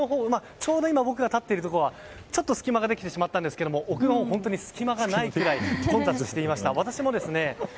ちょうど僕が立ってるところはちょっと隙間ができてしまったんですが奥のほう、隙間がないくらい混雑していました。